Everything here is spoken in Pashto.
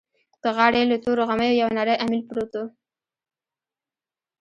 په غاړه يې له تورو غميو يو نری اميل پروت و.